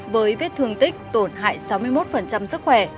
với vết thương tích tổn hại sáu mươi một sức khỏe